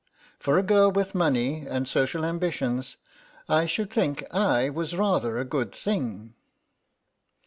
For a girl with money and social ambitions I should think I was rather a good thing."